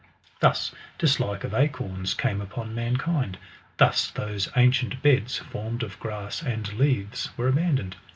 Thus dislike of acorns came upon mankind; thus those ancient beds, formed of grass and leaves, were abandoned.